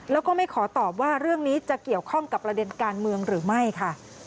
แล้วก็ไม่ขอตอบว่าเรื่องนี้จะเกี่ยวข้องกับประเด็นการเมืองหรือไม่ค่ะ